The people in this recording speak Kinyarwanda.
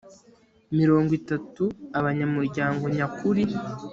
mirongo itatu abanyamuryango nyakuri